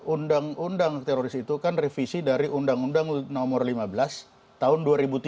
undang undang teroris itu kan revisi dari undang undang nomor lima belas tahun dua ribu tiga belas